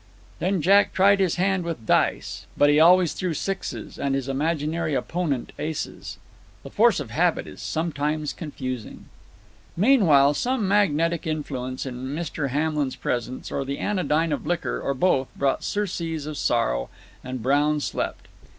Then Jack tried his hand with dice; but he always threw sixes, and his imaginary opponent aces. The force of habit is sometimes confusing. Meanwhile, some magnetic influence in Mr. Hamlin's presence, or the anodyne of liquor, or both, brought surcease of sorrow, and Brown slept.